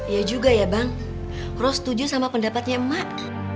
ya juga ya bang ros setuju sama pendapatnya emak